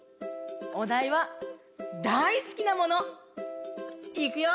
おだいは「だいすきなもの」。いくよ！